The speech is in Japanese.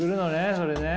それね。